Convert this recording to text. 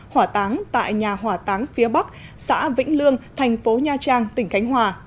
hỏa táng tại nhà hỏa táng phía bắc xã vĩnh lương thành phố nha trang tỉnh khánh hòa